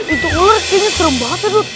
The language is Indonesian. itu ular kayaknya serem banget edut